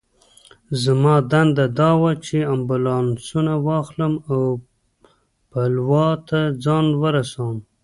زما دنده دا وه چې امبولانسونه واخلم او پلاوا ته ځان ورسوم.